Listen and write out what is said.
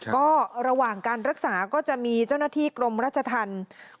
ก็ระหว่างการรักษาก็จะมีเจ้าหน้าที่กรมราชธรรม